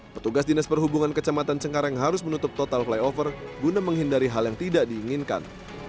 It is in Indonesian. petugas dinas perhubungan kecamatan cengkareng harus menutup total flyover guna menghindari hal yang tidak diinginkan